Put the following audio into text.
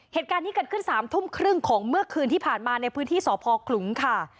เหตุการณ์นี้เกิดขึ้น๓ทุ่มครึ่งของเมื่อคืนที่ผ่านมาในพื้นที่สพคลุงค่ะ